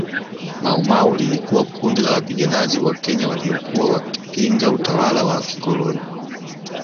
Maumau lilikuwa kundi la wapiganaji wa Kenya waliokuwa wakipinga utawala wa kikoloni